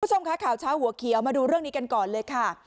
พึ่งค่ะข่าวชายหัวเคียวมาดูเรื่องนี้กันก่อนเลยค่ะ